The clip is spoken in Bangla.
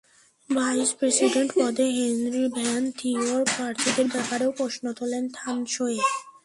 ভাইস প্রেসিডেন্ট পদে হেনরি ভ্যান থিওর প্রার্থিতার ব্যাপারেও প্রশ্ন তোলেন থান সোয়ে।